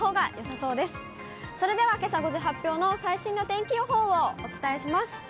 それではけさ５時発表の最新の天気予報をお伝えします。